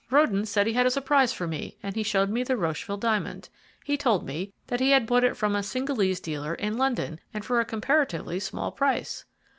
Röden said he had a surprise for me, and he showed me the Rocheville diamond. He told me that he had bought it from a Cingalese dealer in London, and for a comparatively small price."